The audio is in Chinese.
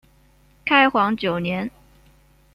开皇九年。